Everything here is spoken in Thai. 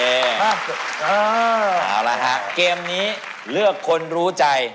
เอาละฮะเกมนี้เลือกคนรู้ใจ